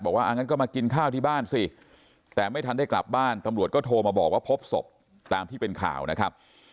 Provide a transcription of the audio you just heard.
ว่างั้นก็มากินข้าวที่บ้านสิแต่ไม่ทันได้กลับบ้านตำรวจก็โทรมาบอกว่าพบศพตามที่เป็นข่าวนะครับ